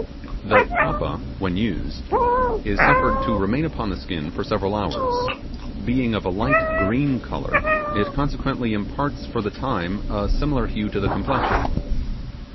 The 'papa', when used, is suffered to remain upon the skin for several hours; being of a light green colour, it consequently imparts for the time a similar hue to the complexion.